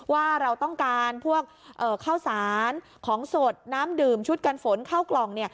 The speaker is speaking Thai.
ว่าเราต้องการพวกข้าวสารของสดน้ำดื่มชุดกันฝนเข้ากล่อง